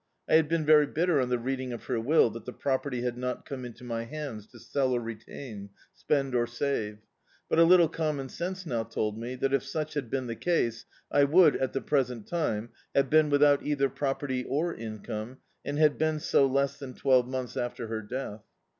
I had been very bit ter, on the reading of her will, that the property had not come into my hands, to sell or retain, spend or save; but a little commcm sense now told me that if sudi had been the case I would, at the present time, have been without either prt^rty or incane, and had been so less than twelve months after her death.